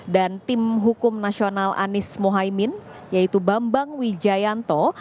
dan tim hukum nasional anies mohaimin yaitu bambang wijayanto